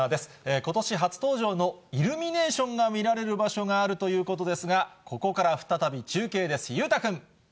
ことし初登場のイルミネーションが見られる場所があるということですが、ここから再び中継です、裕太君。